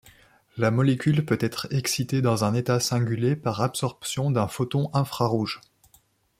La molécule peut être excitée dans un état singulet par absorption d'un photon infrarouge.